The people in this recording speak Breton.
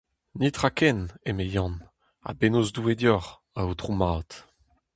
Netra ken, eme Yann, ha bennozh Doue deoc'h, aotrou mat !